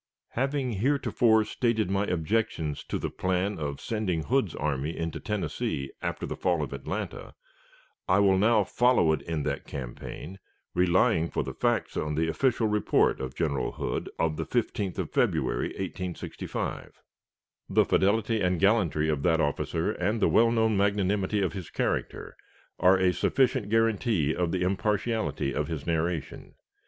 [Illustration: General John B. Hood] Having heretofore stated my objections to the plan of sending Hood's army into Tennessee after the fall of Atlanta, I will now follow it in that campaign, relying for the facts on the official report of General Hood of the 15th of February, 1865. The fidelity and gallantry of that officer and the well known magnanimity of his character are a sufficient guarantee of the impartiality of his narration.